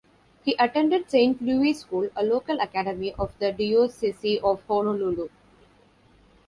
He attended Saint Louis School, a local academy of the Diocese of Honolulu.